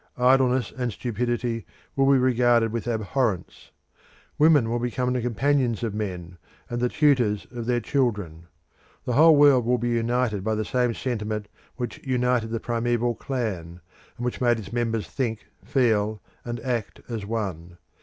Idleness and stupidity will be regarded with abhorrence. Women will become the companions of men, and the tutors of their children. The whole world will be united by the same sentiment which united the primeval clan, and which made its members think, feel, and act as one.